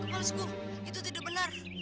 kepala suku itu tidak benar